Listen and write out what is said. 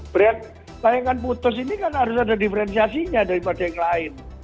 brand layanan putus ini kan harus ada difrensiasinya daripada yang lain